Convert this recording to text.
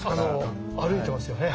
歩いてますよね。